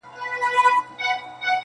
راسره جانانه ستا بلا واخلم.